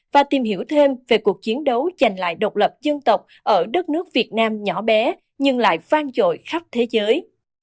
và tìm hiểu thêm về cuộc chiến đấu giành lại độc lập dân tộc ở đất nước việt nam nhỏ bé nhưng lại vang trội khắp thế giới